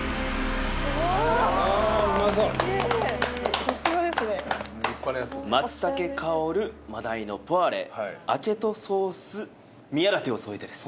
おああうまそうきれいさすがですね「松茸香る真鯛のポワレアチェトソース宮舘を添えて」です